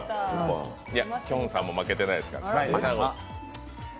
きょんさんも負けてないですから。